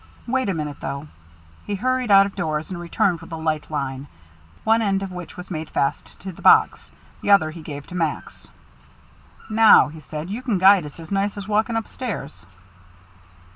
Wait a minute, though." He hurried out of doors, and returned with a light line, one end of which he made fast to the box, the other he gave to Max. "Now," he said, "you can guide it as nice as walking upstairs."